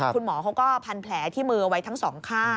คุณหมอเขาก็พันแผลที่มือไว้ทั้งสองข้าง